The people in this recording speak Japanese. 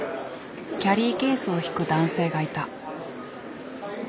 キャリーケースを引く男性がいた。